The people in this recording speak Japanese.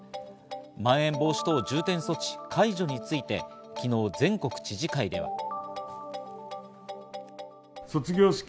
まん延防止等重点措置解除について昨日、全国知事会では。